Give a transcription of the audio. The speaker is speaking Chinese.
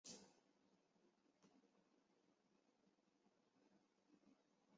寒食散的起源不明。